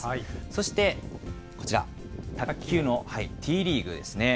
そしてこちら、卓球のＴリーグですね。